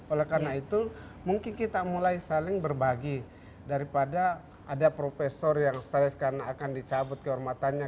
oleh karena itu mungkin kita mulai saling berbagi daripada ada profesor yang setelah sekarang akan dicabut ke hormatannya